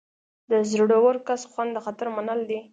د زړور کس خوند د خطر منل دي.